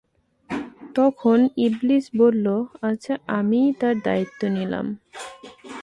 তখন ইবলীস বললঃ আচ্ছা আমিই তার দায়িত্ব নিলাম।